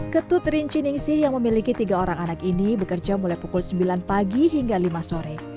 ketut rinci ningsih yang memiliki tiga orang anak ini bekerja mulai pukul sembilan pagi hingga lima sore